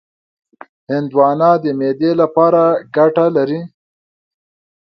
هندوانه د معدې لپاره ګټه لري.